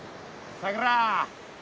さくら